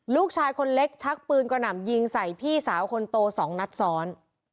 ลูกชายคนเล็กชักปืนกระหน่ำยิงใส่พี่สาวคนโต๒นัดซ้อน